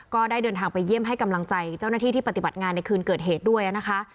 ก็ได้เดินทางไปเยี่ยมให้กำลังใจเจ้าหน้าที่ที่ปฏิบัติงานในคืนเกิดเหตุด้วยนะคะ